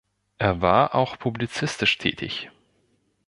Er war auch publizistisch tätig.